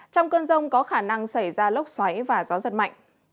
trong cơn rông có khả năng xảy ra lốc xoáy và gió giật mạnh